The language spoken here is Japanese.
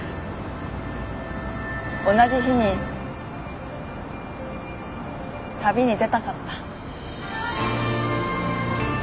同じ日に旅に出たかった。